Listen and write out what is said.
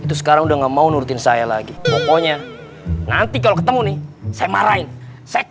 itu sekarang udah nggak mau nurutin saya lagi pokoknya nanti kalau ketemu nih saya marahin saya